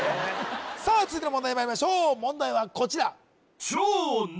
さあ続いての問題にまいりましょう問題はこちら